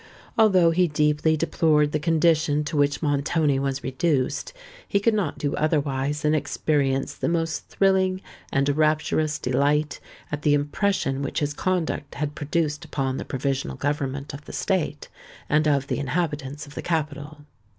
Although he deeply deplored the condition to which Montoni was reduced, he could not do otherwise than experience the most thrilling and rapturous delight at the impression which his conduct had produced upon the Provisional Government of the State, and of the inhabitants of the capital.